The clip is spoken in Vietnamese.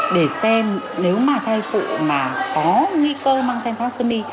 để xem nếu mà thai phụ mà có nghi cơ mang gen thoa sơ mi